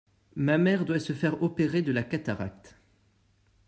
Ma mère doit se faire opérer de la cataracte.